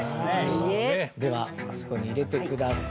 ではあそこに入れてください。